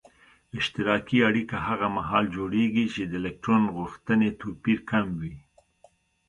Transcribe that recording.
اشتراکي اړیکه هغه محال جوړیږي چې د الکترون غوښتنې توپیر کم وي.